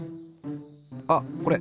あっこれ！